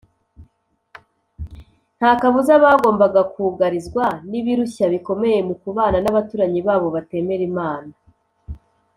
nta kabuza, bagombaga kugarizwa n’ibirushya bikomeye mu kubana n’abaturanyi babo batemera imana